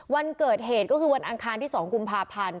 วันเกิดเหตุก็คือวันอังคารที่๒กุมภาพันธ์